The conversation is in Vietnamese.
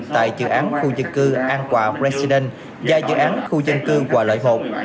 tại dự án khu dân cư an quả residence và dự án khu dân cư quả lợi hột